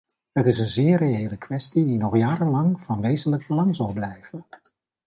Het is een zeer reële kwestie, die nog jarenlang van wezenlijk belang zal blijven.